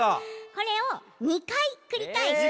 これを２かいくりかえしてね。